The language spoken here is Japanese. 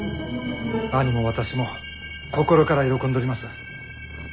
兄も私も心から喜んどります。